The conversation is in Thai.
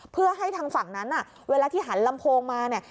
เพื่อให้ทางฝั่งนั้นเวลาที่หันลำโพงมาเนี่ย